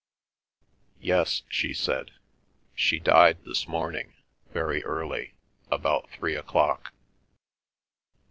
"Yes," she said. "She died this morning, very early, about three o'clock."